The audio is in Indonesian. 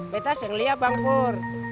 betta sih ngeliat bang pur